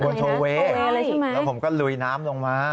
โชเวย์แล้วผมก็ลุยน้ำลงมา